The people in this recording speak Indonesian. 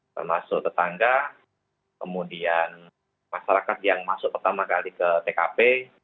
termasuk tetangga kemudian masyarakat yang masuk pertama kali ke tkp